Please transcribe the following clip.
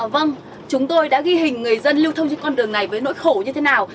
vâng chúng tôi đã ghi hình người dân lưu thông trên con đường này với nỗi khổ như thế nào